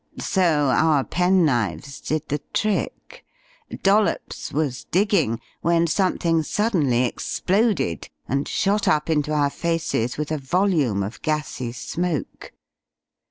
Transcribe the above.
So our penknives did the trick. Dollops was digging, when something suddenly exploded, and shot up into our faces with a volume of gassy smoke.